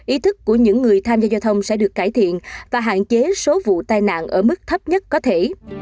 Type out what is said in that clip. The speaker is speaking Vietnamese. ý thức của những người tham gia giao thông sẽ được cải thiện và hạn chế số vụ tai nạn ở mức thấp nhất có thể